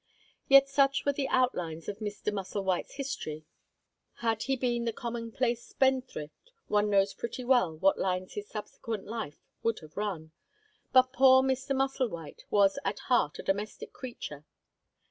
Yet such were the outlines of Mr. Musselwhite's history. Had he been the commonplace spendthrift, one knows pretty well on what lines his subsequent life would have run; but poor Mr. Musselwhite was at heart a domestic creature.